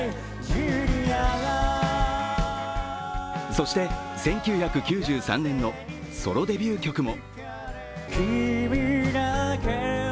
そして、１９９３年のソロデビュー曲も。